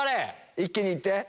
一気に行って！